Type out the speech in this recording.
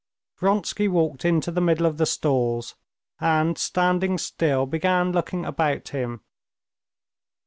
Vronsky walked into the middle of the stalls, and, standing still, began looking about him.